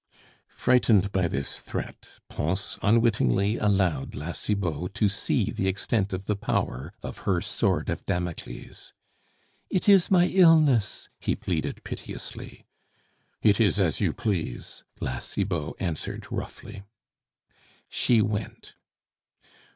Frightened by this threat, Pons unwittingly allowed La Cibot to see the extent of the power of her sword of Damocles. "It is my illness!" he pleaded piteously. "It is as you please," La Cibot answered roughly. She went.